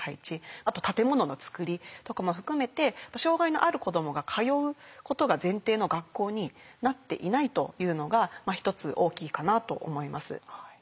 あと建物のつくりとかも含めて障害のある子どもが通うことが前提の学校になっていないというのが一つ大きいかなと思います。